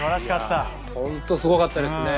本当、すごかったですね。